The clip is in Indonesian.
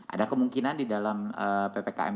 ada kemungkinan di dalam ppkm